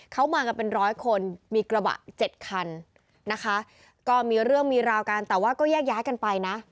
เขามากันเป็นร้อยคนมีกระบะเจ็ดคันนะคะก็มีเรื่องมีราวกันแต่ว่าก็แยกย้ายกันไปนะ